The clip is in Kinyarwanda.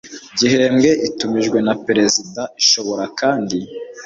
gihembwe itumijwe na perezida ishobora kandi